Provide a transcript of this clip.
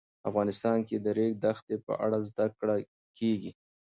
افغانستان کې د د ریګ دښتې په اړه زده کړه کېږي.